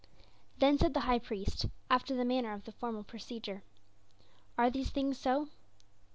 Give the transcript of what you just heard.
Then said the High Priest, after the manner of the formal procedure, "Are these things so?"